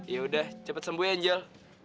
yaudah cepet sembuh ya angel